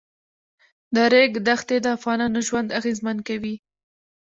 د ریګ دښتې د افغانانو ژوند اغېزمن کوي.